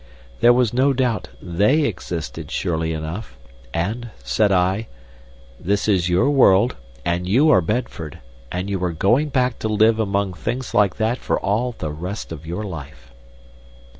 There was no doubt they existed surely enough, and, said I, "This is your world, and you are Bedford, and you are going back to live among things like that for all the rest of your life."